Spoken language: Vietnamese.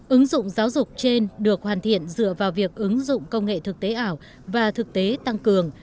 ứng dụng giáo dục trên được hoàn thiện dựa vào việc ứng dụng công nghệ thực tế ảo và thực tế tăng cường